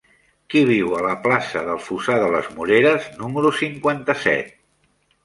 Qui viu a la plaça del Fossar de les Moreres número cinquanta-set?